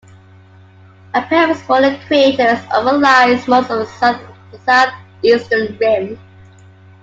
A pair of smaller craters overlies most of the south-southeastern rim.